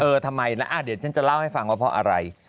ทำไมนะเดี๋ยวฉันจะเล่าให้ฟังว่าเพราะอะไร